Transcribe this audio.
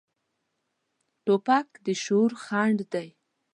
توپک د شعور خنډ دی.